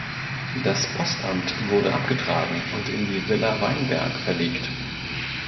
Das Postamt wurde abgetragen und in die "Villa Weinberg" verlegt.